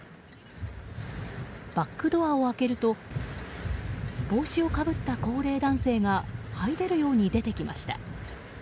バックドアを開けると帽子をかぶった高齢男性がはい出るように出てきました。